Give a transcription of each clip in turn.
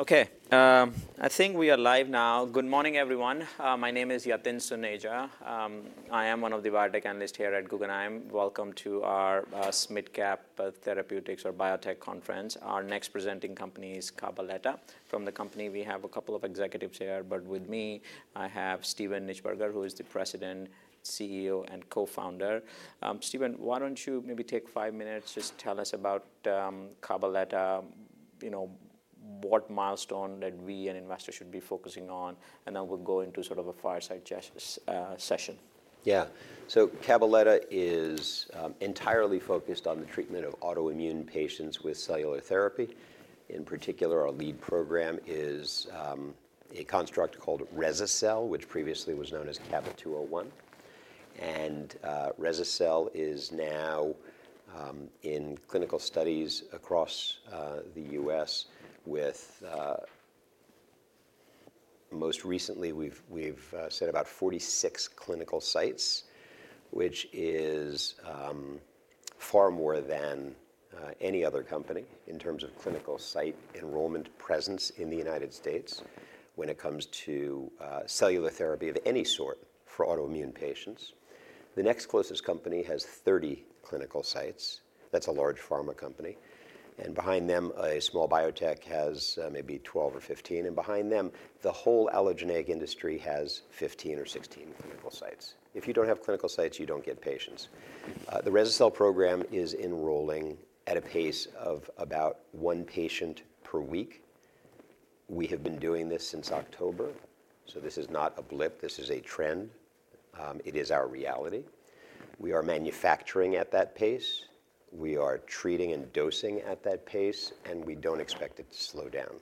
Okay, I think we are live now. Good morning, everyone. My name is Yatin Suneja. I am one of the biotech analysts here at Guggenheim. Welcome to our SMID Cap Therapeutics or Biotech Conference. Our next presenting company is Cabaletta. From the company, we have a couple of executives here. But with me, I have Steven Nichtberger, who is the President, CEO, and Co-founder. Steven, why don't you maybe take five minutes, just tell us about Cabaletta, what milestone that we and investors should be focusing on, and then we'll go into sort of a fireside session. Yeah, so Cabaletta is entirely focused on the treatment of autoimmune patients with cellular therapy. In particular, our lead program is a construct called Rese-cel, which previously was known as CABA-201. Rese-cel is now in clinical studies across the US, with most recently, we've set about 46 clinical sites, which is far more than any other company in terms of clinical site enrollment presence in the United States when it comes to cellular therapy of any sort for autoimmune patients. The next closest company has 30 clinical sites. That's a large pharma company. Behind them, a small biotech has maybe 12 or 15. Behind them, the whole allogeneic industry has 15 or 16 clinical sites. If you don't have clinical sites, you don't get patients. The Rese-cel program is enrolling at a pace of about one patient per week. We have been doing this since October. This is not a blip. This is a trend. It is our reality. We are manufacturing at that pace. We are treating and dosing at that pace. We do not expect it to slow down.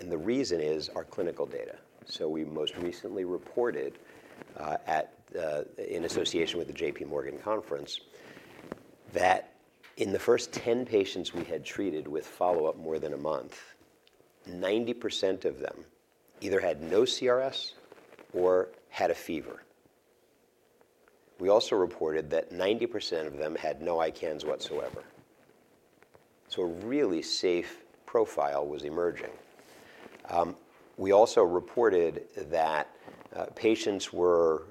The reason is our clinical data. We most recently reported in association with the J.P. Morgan conference that in the first 10 patients we had treated with follow-up more than a month, 90% of them either had no CRS or had a fever. We also reported that 90% of them had no ICANS whatsoever. A really safe profile was emerging. We also reported that patients were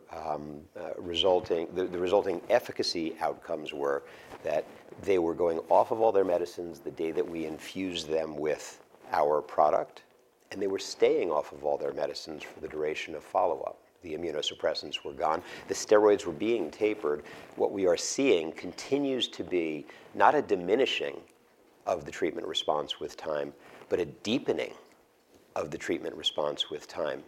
resulting, the resulting efficacy outcomes were that they were going off of all their medicines the day that we infused them with our product. They were staying off of all their medicines for the duration of follow-up. The immunosuppressants were gone. The steroids were being tapered. What we are seeing continues to be not a diminishing of the treatment response with time, but a deepening of the treatment response with time.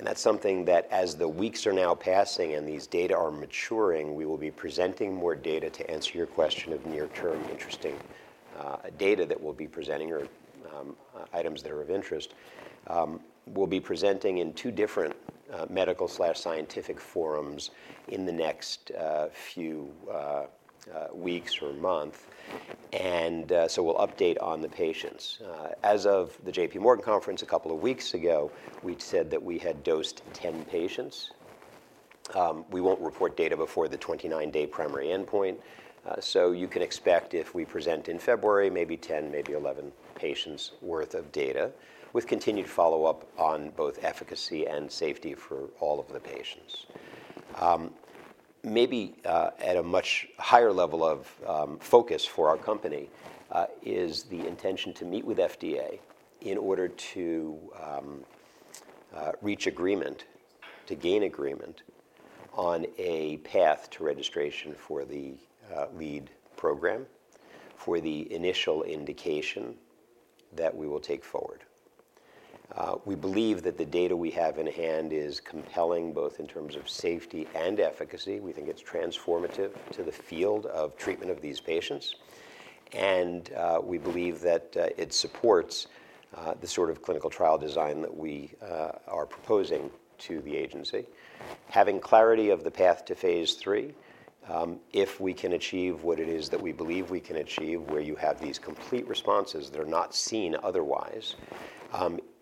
That's something that, as the weeks are now passing and these data are maturing, we will be presenting more data to answer your question of near-term interesting data that we'll be presenting or items that are of interest. We'll be presenting in two different medical/scientific forums in the next few weeks or months. We will update on the patients. As of the J.P. Morgan conference a couple of weeks ago, we'd said that we had dosed 10 patients. We won't report data before the 29-day primary endpoint. You can expect, if we present in February, maybe 10, maybe 11 patients' worth of data, with continued follow-up on both efficacy and safety for all of the patients. Maybe at a much higher level of focus for our company is the intention to meet with FDA in order to reach agreement, to gain agreement on a path to registration for the lead program, for the initial indication that we will take forward. We believe that the data we have in hand is compelling, both in terms of safety and efficacy. We think it's transformative to the field of treatment of these patients. We believe that it supports the sort of clinical trial design that we are proposing to the agency. Having clarity of the path to phase three, if we can achieve what it is that we believe we can achieve, where you have these complete responses that are not seen otherwise.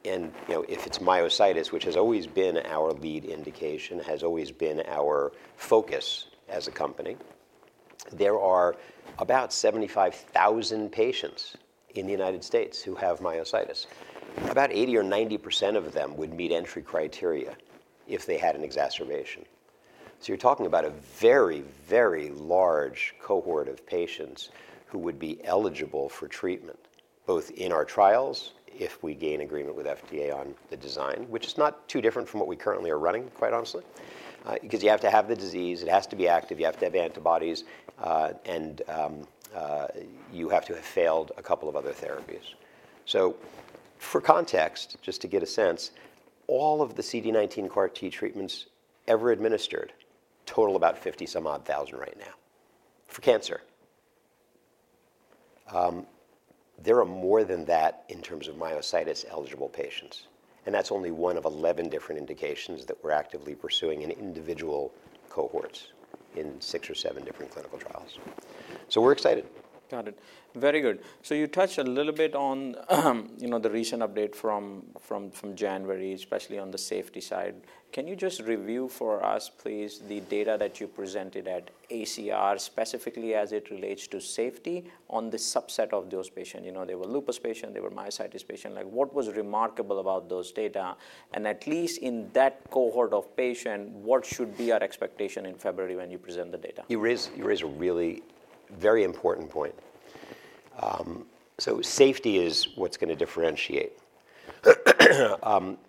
If it's myositis, which has always been our lead indication, has always been our focus as a company, there are about 75,000 patients in the United States who have myositis. About 80% or 90% of them would meet entry criteria if they had an exacerbation. You're talking about a very, very large cohort of patients who would be eligible for treatment, both in our trials if we gain agreement with FDA on the design, which is not too different from what we currently are running, quite honestly. You have to have the disease. It has to be active. You have to have antibodies. You have to have failed a couple of other therapies. For context, just to get a sense, all of the CD19-CAR T treatments ever administered total about 50-some-odd thousand right now for cancer. There are more than that in terms of myositis-eligible patients. That is only one of 11 different indications that we're actively pursuing in individual cohorts in six or seven different clinical trials. We are excited. Got it. Very good. You touched a little bit on the recent update from January, especially on the safety side. Can you just review for us, please, the data that you presented at ACR, specifically as it relates to safety on the subset of those patients? They were lupus patients. They were myositis patients. What was remarkable about those data? At least in that cohort of patients, what should be our expectation in February when you present the data? You raise a really very important point. Safety is what's going to differentiate.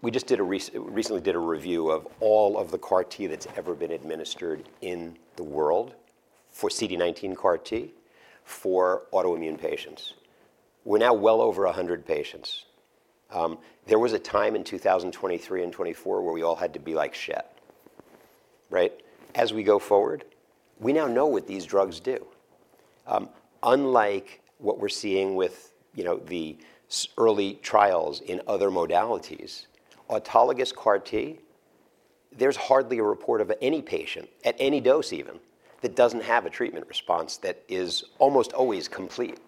We just recently did a review of all of the CAR T that's ever been administered in the world for CD19-CAR T for autoimmune patients. We're now well over 100 patients. There was a time in 2023 and 2024 where we all had to be like shit. As we go forward, we now know what these drugs do. Unlike what we're seeing with the early trials in other modalities, autologous CAR T, there's hardly a report of any patient, at any dose even, that doesn't have a treatment response that is almost always complete.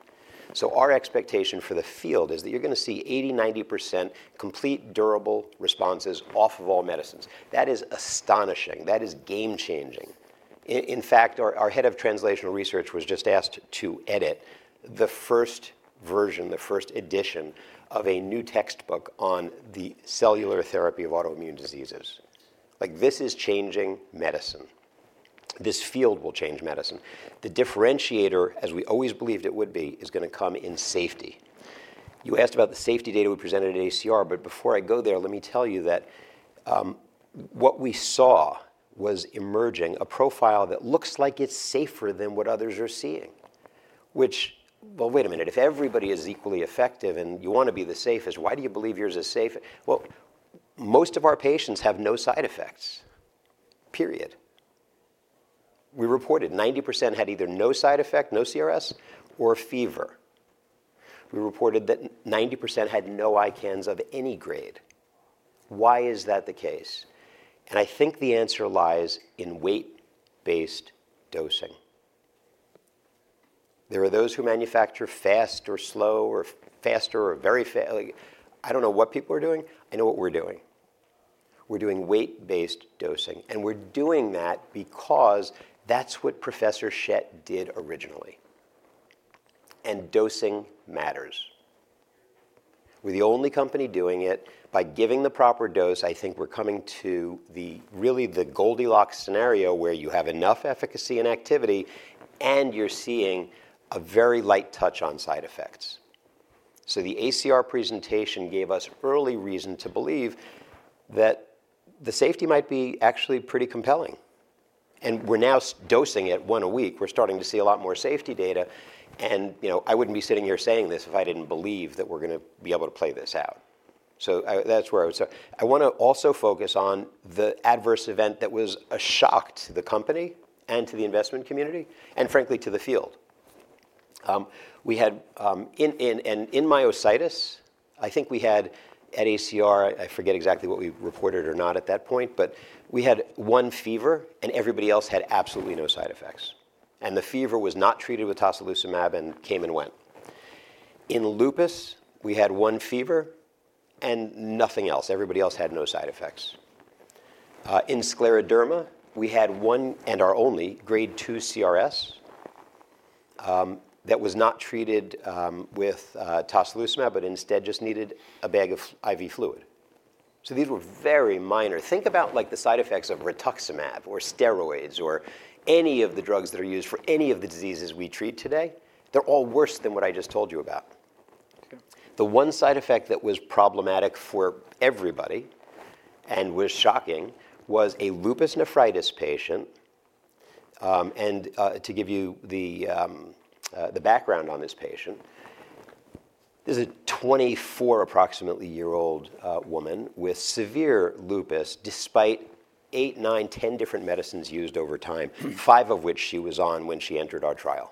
Our expectation for the field is that you're going to see 80% to 90% complete, durable responses off of all medicines. That is astonishing. That is game-changing. In fact, our head of translational research was just asked to edit the first version, the first edition of a new textbook on the cellular therapy of autoimmune diseases. This is changing medicine. This field will change medicine. The differentiator, as we always believed it would be, is going to come in safety. You asked about the safety data we presented at ACR. Before I go there, let me tell you that what we saw was emerging a profile that looks like it's safer than what others are seeing, which, well, wait a minute. If everybody is equally effective and you want to be the safest, why do you believe yours is safe? Most of our patients have no side effects. Period. We reported 90% had either no side effect, no CRS, or fever. We reported that 90% had no ICANS of any grade. Why is that the case? I think the answer lies in weight-based dosing. There are those who manufacture fast or slow or faster or very I don't know what people are doing. I know what we're doing. We're doing weight-based dosing. We're doing that because that's what Professor Schett did originally. Dosing matters. We're the only company doing it. By giving the proper dose, I think we're coming to really the Goldilocks scenario where you have enough efficacy and activity, and you're seeing a very light touch on side effects. The ACR presentation gave us early reason to believe that the safety might be actually pretty compelling. We're now dosing it one a week. We're starting to see a lot more safety data. I wouldn't be sitting here saying this if I didn't believe that we're going to be able to play this out. That's where I was. I want to also focus on the adverse event that was a shock to the company and to the investment community and, frankly, to the field. In myositis, I think we had at ACR, I forget exactly what we reported or not at that point, but we had one fever, and everybody else had absolutely no side effects. The fever was not treated with tocilizumab and came and went. In lupus, we had one fever and nothing else. Everybody else had no side effects. In scleroderma, we had one and our only grade 2 CRS that was not treated with tocilizumab but instead just needed a bag of IV fluid. These were very minor. Think about the side effects of rituximab or steroids or any of the drugs that are used for any of the diseases we treat today. They're all worse than what I just told you about. The one side effect that was problematic for everybody and was shocking was a lupus nephritis patient. And to give you the background on this patient, this is a 24-approximately-year-old woman with severe lupus despite eight, nine, 10 different medicines used over time, five of which she was on when she entered our trial.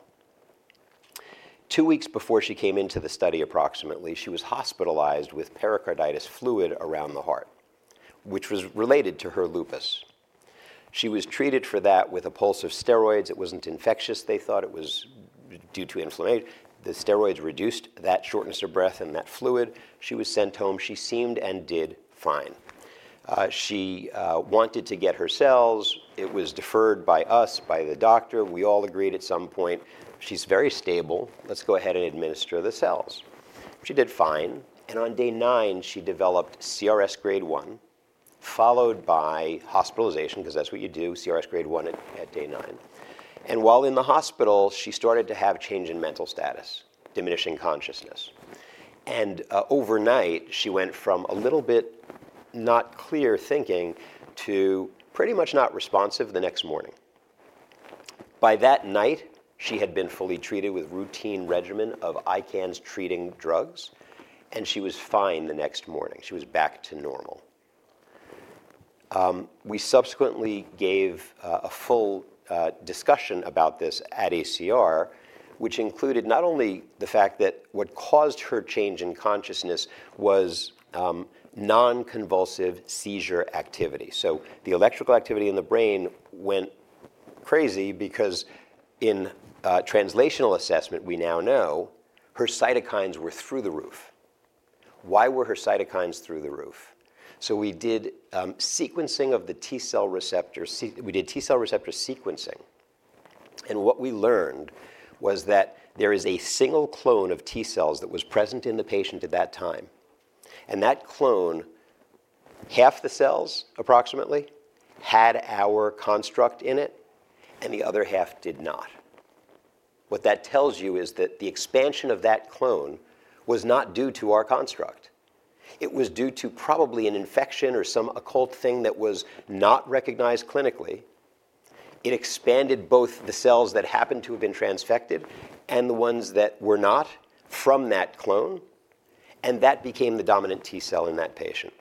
Two weeks before she came into the study, approximately, she was hospitalized with pericarditis fluid around the heart, which was related to her lupus. She was treated for that with a pulse of steroids. It wasn't infectious, they thought. It was due to inflammation. The steroids reduced that shortness of breath and that fluid. She was sent home. She seemed and did fine. She wanted to get her cells. It was deferred by us, by the doctor. We all agreed at some point, she's very stable. Let's go ahead and administer the cells. She did fine. On day nine, she developed CRS grade one, followed by hospitalization because that's what you do, CRS grade one at day nine. While in the hospital, she started to have change in mental status, diminishing consciousness. Overnight, she went from a little bit not clear thinking to pretty much not responsive the next morning. By that night, she had been fully treated with a routine regimen of ICANS treating drugs. She was fine the next morning. She was back to normal. We subsequently gave a full discussion about this at ACR, which included not only the fact that what caused her change in consciousness was non-convulsive seizure activity. The electrical activity in the brain went crazy because in translational assessment, we now know her cytokines were through the roof. Why were her cytokines through the roof? We did sequencing of the T cell receptors. We did T cell receptor sequencing. What we learned was that there is a single clone of T cells that was present in the patient at that time. That clone, half the cells approximately had our construct in it, and the other half did not. What that tells you is that the expansion of that clone was not due to our construct. It was due to probably an infection or some occult thing that was not recognized clinically. It expanded both the cells that happened to have been transfected and the ones that were not from that clone. That became the dominant T cell in that patient.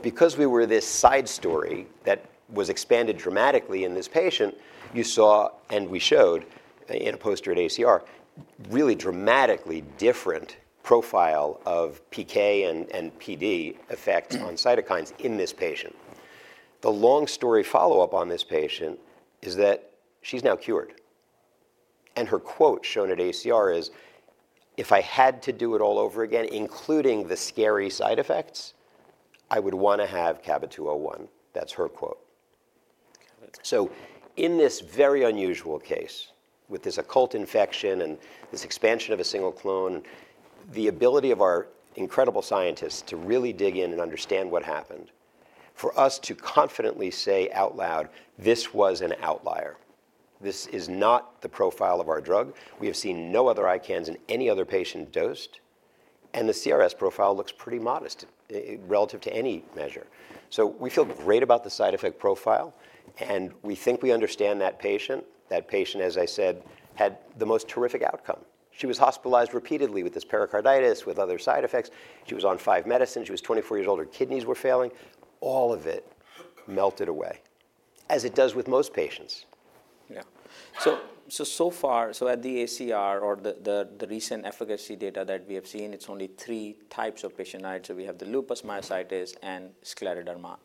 Because we were this side story that was expanded dramatically in this patient, you saw, and we showed in a poster at ACR, really dramatically different profile of PK and PD effects on cytokines in this patient. The long story follow-up on this patient is that she's now cured. And her quote shown at ACR is, "If I had to do it all over again, including the scary side effects, I would want to have CABA-201." That's her quote. In this very unusual case with this occult infection and this expansion of a single clone, the ability of our incredible scientists to really dig in and understand what happened, for us to confidently say out loud, this was an outlier. This is not the profile of our drug. We have seen no other ICANS in any other patient dosed. The CRS profile looks pretty modest relative to any measure. We feel great about the side effect profile. We think we understand that patient. That patient, as I said, had the most terrific outcome. She was hospitalized repeatedly with this pericarditis, with other side effects. She was on five medicines. She was 24 years old. Her kidneys were failing. All of it melted away, as it does with most patients. Yeah. So far, at the ACR or the recent efficacy data that we have seen, it's only three types of patients. We have the lupus, myositis, and scleroderma.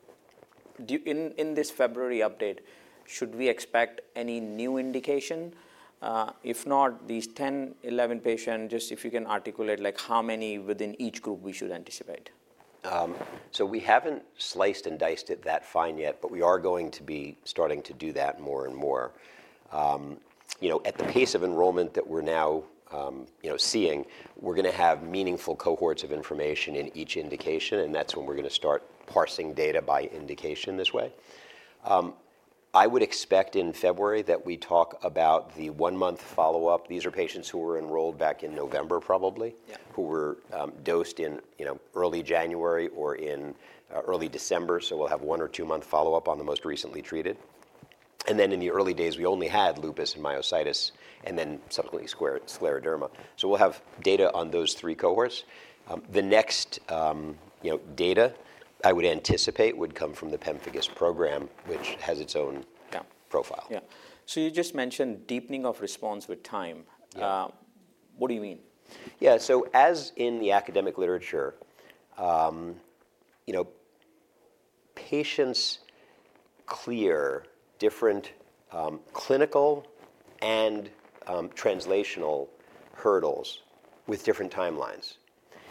In this February update, should we expect any new indication? If not, these 10-11 patients, just if you can articulate how many within each group we should anticipate. We haven't sliced and diced it that fine yet, but we are going to be starting to do that more and more. At the pace of enrollment that we're now seeing, we're going to have meaningful cohorts of information in each indication. That's when we're going to start parsing data by indication this way. I would expect in February that we talk about the one-month follow-up. These are patients who were enrolled back in November, probably, who were dosed in early January or in early December. We'll have one or two-month follow-up on the most recently treated. In the early days, we only had lupus and myositis and then subsequently scleroderma. We'll have data on those three cohorts. The next data I would anticipate would come from the pemphigus program, which has its own profile. Yeah. You just mentioned deepening of response with time. What do you mean? Yeah. As in the academic literature, patients clear different clinical and translational hurdles with different timelines.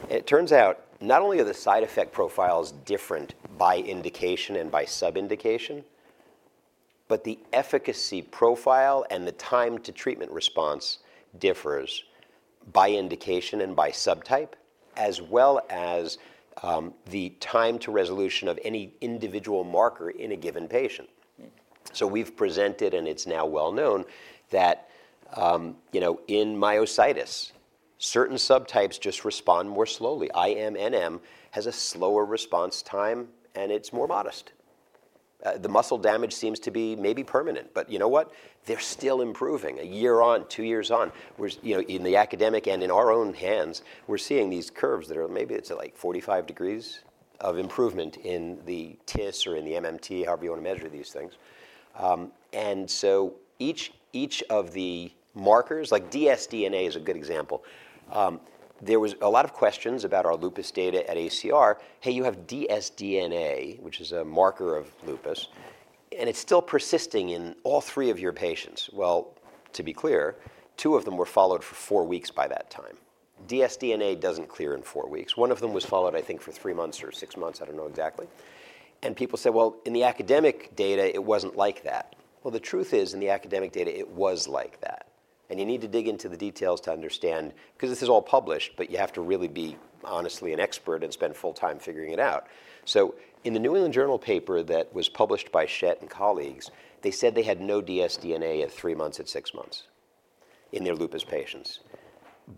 It turns out not only are the side effect profiles different by indication and by sub-indication, but the efficacy profile and the time to treatment response differ by indication and by subtype, as well as the time to resolution of any individual marker in a given patient. We've presented, and it's now well known, that in myositis, certain subtypes just respond more slowly. IMNM has a slower response time, and it's more modest. The muscle damage seems to be maybe permanent. You know what? They're still improving a year on, two years on. In the academic and in our own hands, we're seeing these curves that are maybe it's like 45 degrees of improvement in the TIS or in the MMT, however you want to measure these things. Each of the markers, like dsDNA is a good example. There was a lot of questions about our lupus data at ACR. Hey, you have dsDNA, which is a marker of lupus. And it's still persisting in all three of your patients. To be clear, two of them were followed for four weeks by that time, dsDNA doesn't clear in four weeks. One of them was followed, I think, for three months or six months. I don't know exactly. People said, in the academic data, it wasn't like that. The truth is, in the academic data, it was like that. You need to dig into the details to understand because this is all published, but you have to really be honestly an expert and spend full time figuring it out. In the new journal paper that was published by Schett and colleagues, they said they had no dsDNA at three months, at six months in their lupus patients.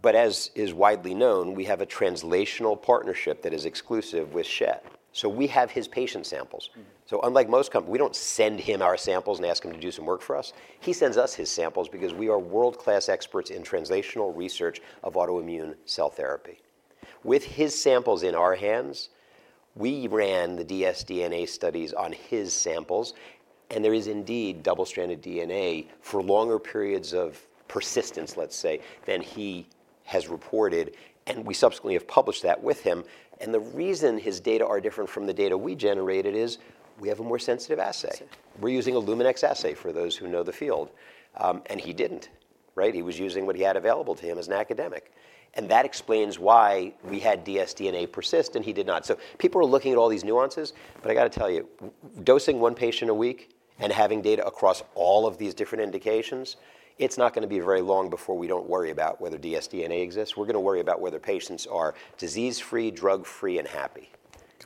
As is widely known, we have a translational partnership that is exclusive with Schett. We have his patient samples. Unlike most companies, we do not send him our samples and ask him to do some work for us. He sends us his samples because we are world-class experts in translational research of autoimmune cell therapy. With his samples in our hands, we ran the dsDNA studies on his samples. There is indeed double-stranded DNA for longer periods of persistence, let's say, than he has reported. We subsequently have published that with him. The reason his data are different from the data we generated is we have a more sensitive assay. We're using a Luminex assay for those who know the field. He didn't, right? He was using what he had available to him as an academic. That explains why we had dsDNA persist and he did not. People are looking at all these nuances. I got to tell you, dosing one patient a week and having data across all of these different indications, it's not going to be very long before we don't worry about whether dsDNA exists. We're going to worry about whether patients are disease-free, drug-free, and happy.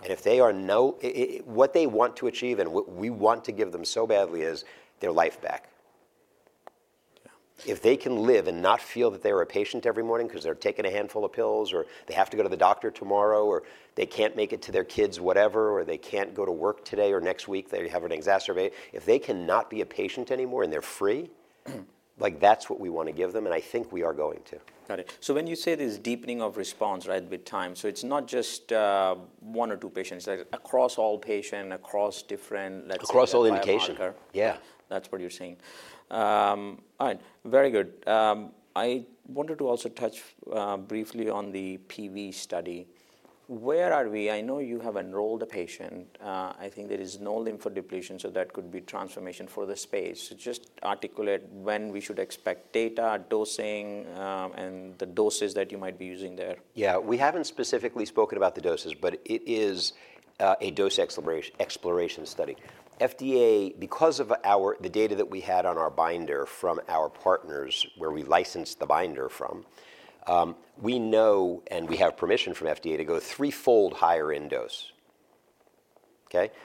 If they are what they want to achieve, and what we want to give them so badly is their life back. If they can live and not feel that they're a patient every morning because they're taking a handful of pills or they have to go to the doctor tomorrow or they can't make it to their kids, whatever, or they can't go to work today or next week, they have an exacerbation, if they cannot be a patient anymore and they're free, that's what we want to give them. I think we are going to. Got it. When you say this deepening of response with time, it's not just one or two patients. It's across all patients, across different. Across all indications. Yeah. That's what you're saying. All right. Very good. I wanted to also touch briefly on the PV study. Where are we? I know you have enrolled a patient. I think there is no lymphodepletion, so that could be transformation for the space. Just articulate when we should expect data, dosing, and the doses that you might be using there. Yeah. We haven't specifically spoken about the doses, but it is a dose exploration study. FDA, because of the data that we had on our binder from our partners where we licensed the binder from, we know and we have permission from FDA to go threefold higher in dose.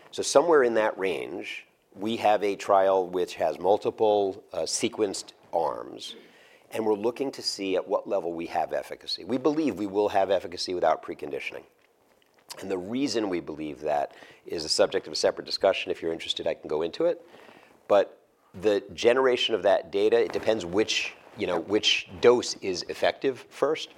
So somewhere in that range, we have a trial which has multiple sequenced arms. We're looking to see at what level we have efficacy. We believe we will have efficacy without preconditioning. The reason we believe that is the subject of a separate discussion. If you're interested, I can go into it. The generation of that data, it depends which dose is effective first.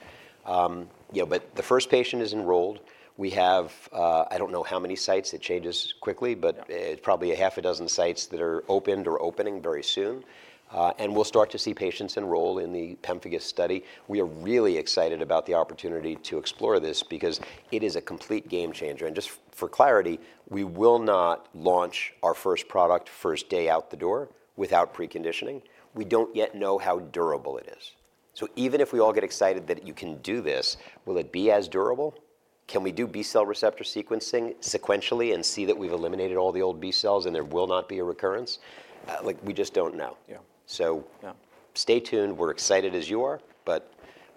The first patient is enrolled. I don't know how many sites. It changes quickly, but it's probably a half a dozen sites that are opened or opening very soon. We will start to see patients enroll in the pemphigus study. We are really excited about the opportunity to explore this because it is a complete game changer. Just for clarity, we will not launch our first product first day out the door without preconditioning. We do not yet know how durable it is. Even if we all get excited that you can do this, will it be as durable? Can we do B cell receptor sequencing sequentially and see that we have eliminated all the old B cells and there will not be a recurrence? We just do not know. Stay tuned. We are excited as you are, but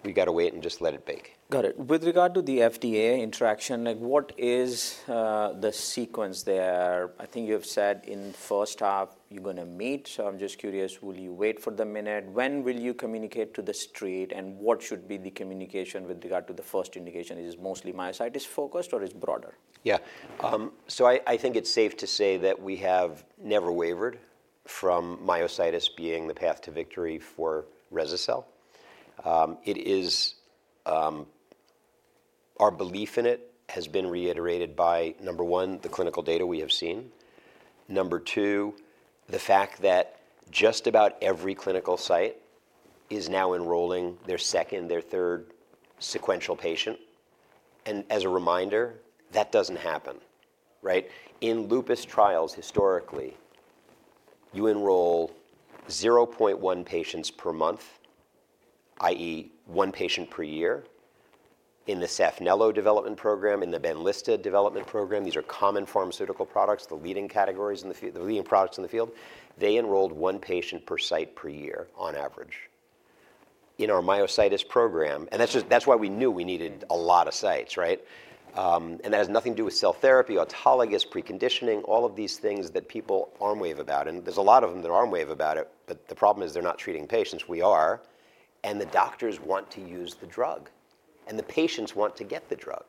we have to wait and just let it bake. Got it. With regard to the FDA interaction, what is the sequence there? I think you have said in the first half you're going to meet. So I'm just curious, will you wait for the minute? When will you communicate to the street? And what should be the communication with regard to the first indication? Is it mostly myositis focused or is it broader? Yeah. I think it's safe to say that we have never wavered from myositis being the path to victory for Rese-cel. Our belief in it has been reiterated by, number one, the clinical data we have seen. Number two, the fact that just about every clinical site is now enrolling their second, their third sequential patient. As a reminder, that does not happen, right? In lupus trials, historically, you enroll 0.1 patients per month, i.e., one patient per year. In the Saphnelo development program, in the Benlysta development program, these are common pharmaceutical products, the leading categories in the field, the leading products in the field. They enrolled one patient per site per year on average. In our myositis program, and that's why we knew we needed a lot of sites, right? That has nothing to do with cell therapy, autologous, preconditioning, all of these things that people arm wave about. There are a lot of them that arm wave about it, but the problem is they're not treating patients. We are. The doctors want to use the drug. The patients want to get the drug.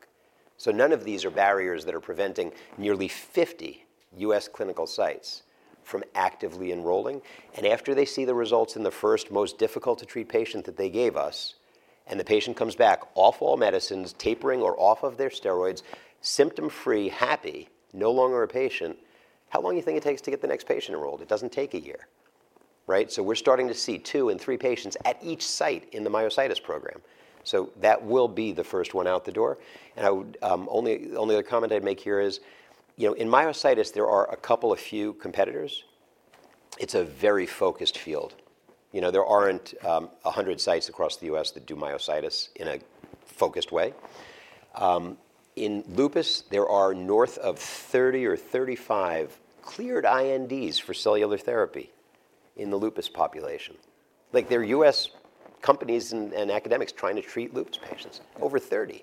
None of these are barriers that are preventing nearly 50 US clinical sites from actively enrolling. After they see the results in the first most difficult to treat patient that they gave us, and the patient comes back off all medicines, tapering or off of their steroids, symptom-free, happy, no longer a patient, how long do you think it takes to get the next patient enrolled? It doesn't take a year, right? We're starting to see two and three patients at each site in the myositis program. That will be the first one out the door. The only other comment I'd make here is in myositis, there are a couple of few competitors. It's a very focused field. There aren't 100 sites across the US that do myositis in a focused way. In lupus, there are north of 30 or 35 cleared INDs for cellular therapy in the lupus population. There are US companies and academics trying to treat lupus patients, over 30,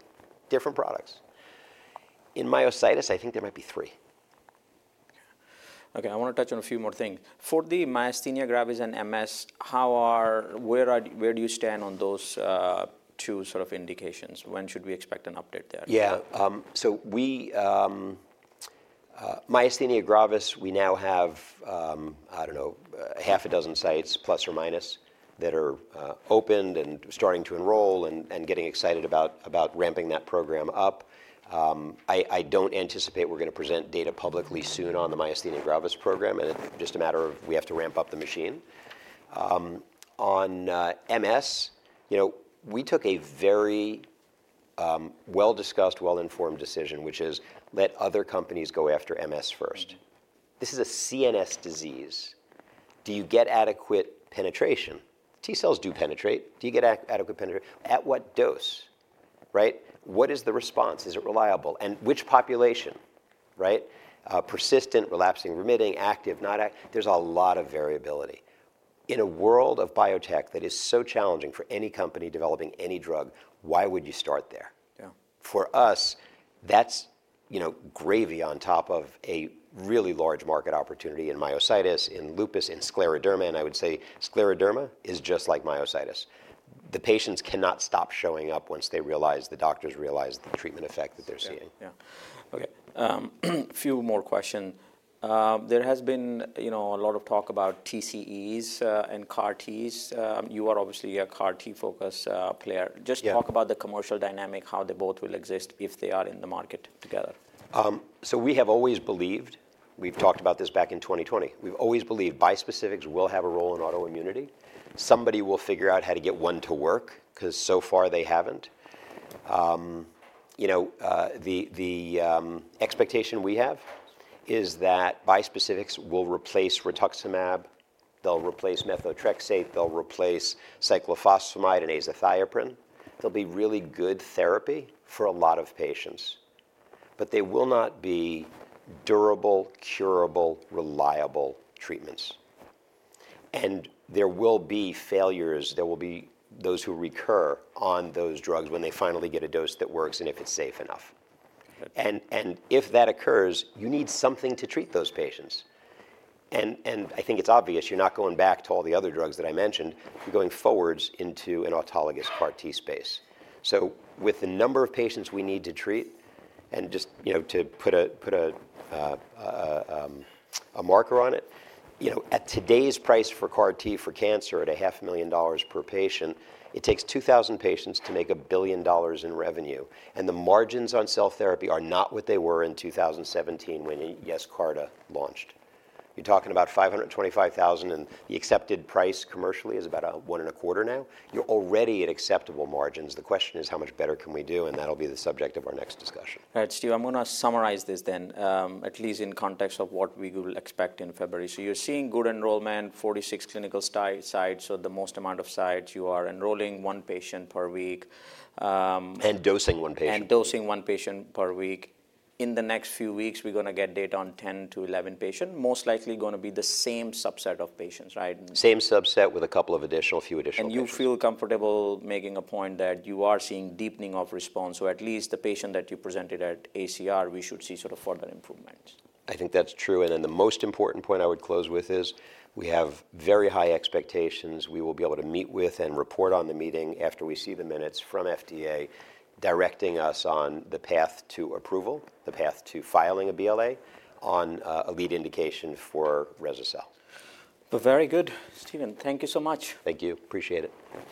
different products. In myositis, I think there might be three. Okay. I want to touch on a few more things. For the myasthenia gravis and MS, where do you stand on those two sort of indications? When should we expect an update there? Yeah. Myasthenia gravis, we now have, I don't know, a half a dozen sites plus or minus that are opened and starting to enroll and getting excited about ramping that program up. I don't anticipate we're going to present data publicly soon on the myasthenia gravis program. It's just a matter of we have to ramp up the machine. On MS, we took a very well-discussed, well-informed decision, which is let other companies go after MS first. This is a CNS disease. Do you get adequate penetration? T cells do penetrate. Do you get adequate penetration? At what dose? What is the response? Is it reliable? And which population? Persistent, relapsing, remitting, active, not active? There's a lot of variability. In a world of biotech that is so challenging for any company developing any drug, why would you start there? For us, that's gravy on top of a really large market opportunity in myositis, in lupus, in scleroderma. I would say scleroderma is just like myositis. The patients cannot stop showing up once they realize the doctors realize the treatment effect that they're seeing. Yeah. Okay. A few more questions. There has been a lot of talk about TCEs and CAR-Ts. You are obviously a CAR T focused player. Just talk about the commercial dynamic, how they both will exist if they are in the market together. We have always believed, we've talked about this back in 2020. We've always believed bispecifics will have a role in autoimmunity. Somebody will figure out how to get one to work because so far they haven't. The expectation we have is that bispecifics will replace rituximab. They'll replace methotrexate. They'll replace cyclophosphamide and azathioprine. They'll be really good therapy for a lot of patients. They will not be durable, curable, reliable treatments. There will be failures. There will be those who recur on those drugs when they finally get a dose that works and if it's safe enough. If that occurs, you need something to treat those patients. I think it's obvious. You're not going back to all the other drugs that I mentioned. You're going forwards into an autologous CAR T space. With the number of patients we need to treat and just to put a marker on it, at today's price for CAR T for cancer at $500,000 per patient, it takes 2,000 patients to make a billion dollars in revenue. The margins on cell therapy are not what they were in 2017 when Yescarta launched. You're talking about $525,000. The accepted price commercially is about one and a quarter now. You're already at acceptable margins. The question is how much better can we do? That'll be the subject of our next discussion. All right, Stu. I'm going to summarize this then, at least in context of what we will expect in February. You're seeing good enrollment, 46 clinical sites. The most amount of sites. You are enrolling one patient per week. Dosing one patient. Dosing one patient per week. In the next few weeks, we're going to get data on 10-11 patients. Most likely going to be the same subset of patients, right? Same subset with a couple of additional, a few additional patients. You feel comfortable making a point that you are seeing deepening of response. At least the patient that you presented at ACR, we should see sort of further improvements. I think that's true. The most important point I would close with is we have very high expectations. We will be able to meet with and report on the meeting after we see the minutes from FDA directing us on the path to approval, the path to filing a BLA on a lead indication for Rese-cel. Very good. Steven, thank you so much. Thank you. Appreciate it.